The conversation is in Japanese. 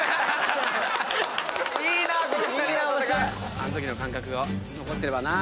あんときの感覚が残ってれば。